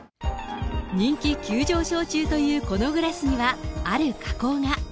人気急上昇中というこのグラスにはある加工が。